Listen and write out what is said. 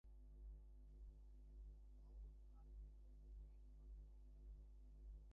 Philosopher Charles Hartshorne and geographer Richard Hartshorne were her cousins.